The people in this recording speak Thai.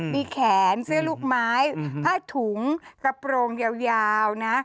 มีแขนเสื้อลูกไม้ผ้าถุงกระโปรงยาวนะ